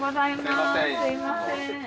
すいません。